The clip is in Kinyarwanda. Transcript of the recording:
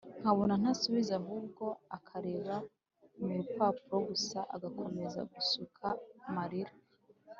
nkabona ntasubiza ahubwo akareba murupapuro gusa agakomeza gusuka marira!